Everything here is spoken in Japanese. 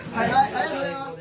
ありがとうございます。